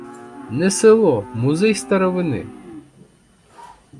Не село — музей старовини.